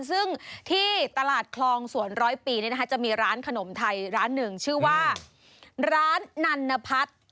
ซึ่งที่ตลาดคลองสวนร้อยปีจะมีร้านขนมไทยร้านหนึ่งชื่อว่าร้านนันนพัฒน์